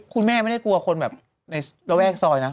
คุณแม่ไม่ได้กลัวคนแบบในระแวกซอยนะ